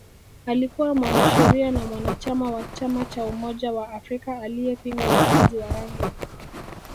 Alikuwa mwanasheria na mwanachama wa Chama cha umoja wa Afrika aliyepinga ubaguzi wa rangi